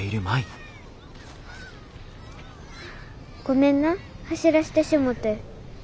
ごめんな走らしてしもて。